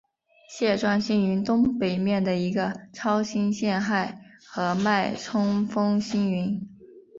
蟹状星云东北面的一个超新星残骸和脉冲风星云。